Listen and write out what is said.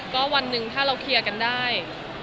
ก็วันหนึ่งถ้าเราเคลียร์กันได้